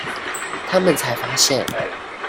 他們才發現